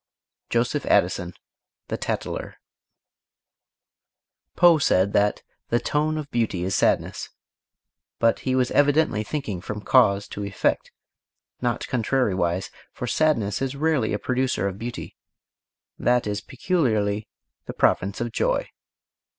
JOSEPH ADDISON, The Tattler. Poe said that "the tone of beauty is sadness," but he was evidently thinking from cause to effect, not contrariwise, for sadness is rarely a producer of beauty that is peculiarly the province of joy.